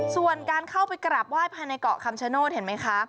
ส่วนการเข้าไปกราบไห้ภายในเกาะคำชโนธเห็นไหมคะ